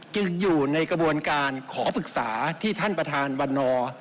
อยู่ในกระบวนการขอปรึกษาที่ท่านประธานวันนอร์